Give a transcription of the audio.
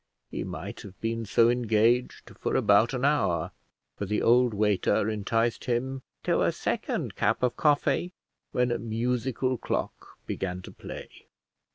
He might have been so engaged for about an hour, for the old waiter enticed him to a second cup of coffee, when a musical clock began to play.